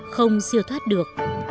không siêu thoát được